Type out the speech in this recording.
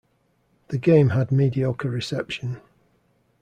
The game had mediocre reception.